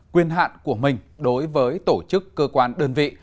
quyền hạn của mình đối với tổ chức cơ quan đơn vị